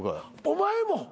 お前も？